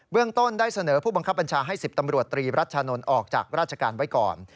เรื่องต้นได้เสนอผู้บังคับบัญชาให้๑๐ตำรวจตรีรัชชานนท์ออกจากราชการไว้ก่อน